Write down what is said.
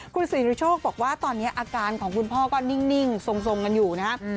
คุณสิริโชคบอกว่าตอนนี้อาการของคุณพ่อก็นิ่งทรงกันอยู่นะครับ